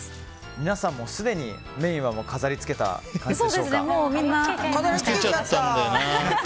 皆さんもすでにメインは飾り付けた感じでしょうか。